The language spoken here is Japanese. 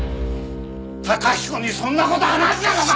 崇彦にそんな事話したのか！？